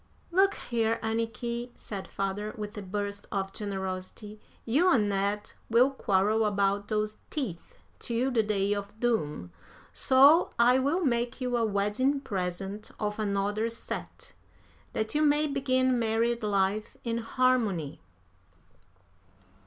"Look here, Anniky," said father, with a burst of generosity, "you and Ned will quarrel about those teeth till the day of doom, so I will make you a wedding present of another set, that you may begin married life in harmony."